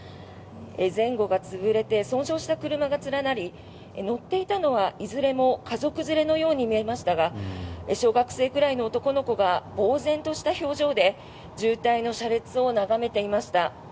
前後が潰れて損傷した車が連なり乗っていたのはいずれも家族連れのように見えましたが小学生くらいの男の子がぼうぜんとした表情で渋滞の車列を眺めていました。